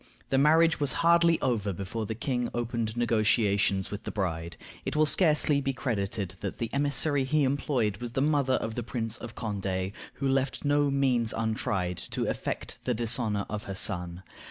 The marriage was hardly over before the king opened negotiations with the bride. It will be scarcely credited that the emissary he employed was the mother of the Prince of Condé, who left no means untried to effect the dishonor of her son.